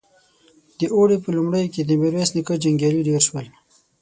د اوړي په لومړيو کې د ميرويس نيکه جنګيالي ډېر شول.